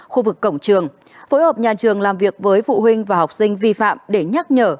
khu vực cổng trường phối hợp nhà trường làm việc với phụ huynh và học sinh vi phạm để nhắc nhở